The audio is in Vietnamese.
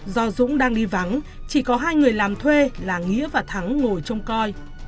do dũng đang đi vắng chỉ có hai người làm thuê là nghĩa và thắng ngồi trông coi